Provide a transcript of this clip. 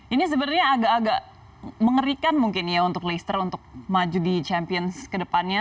ini sebenarnya agak agak mengerikan mungkin ya untuk leicester untuk maju di champions ke depannya